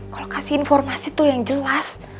kalau kasih informasi tuh yang jelas